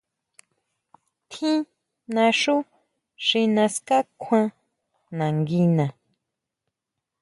Tjín naxú xi naská kjuan nanguina.